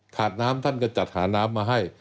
ถาดน้ำท่านก็จัดหาน้ำมาให้